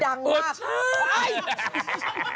จากกระแสของละครกรุเปสันนิวาสนะฮะ